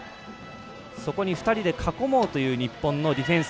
そこに２人で囲もうという日本のディフェンス。